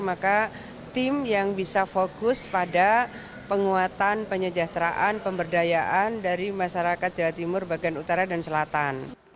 maka tim yang bisa fokus pada penguatan penyejahteraan pemberdayaan dari masyarakat jawa timur bagian utara dan selatan